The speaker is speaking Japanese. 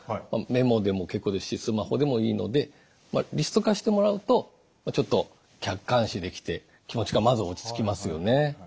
メモでも結構ですしスマホでもいいのでリスト化してもらうとちょっと客観視できて気持ちがまず落ち着きますよね。